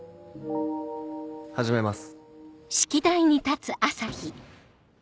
始めます。